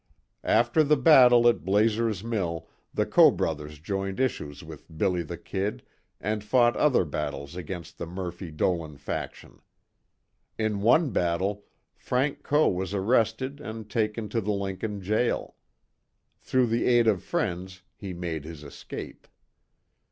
After the battle at Blazer's mill, the Coe brothers joined issues with "Billy the Kid" and fought other battles against the Murphy Dolan faction. In one battle Frank Coe was arrested and taken to the Lincoln jail. Through the aid of friends he made his escape.